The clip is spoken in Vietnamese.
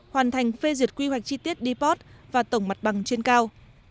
hoàn thành phê duyệt quy hoạch chi tiết depot và tổng mặt bằng trên cao